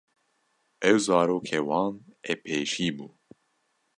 Ew zarokê wan ê pêşî bû.